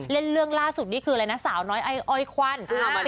เรื่องล่าสุดนี่คืออะไรนะสาวน้อยไอ้อ้อยควัน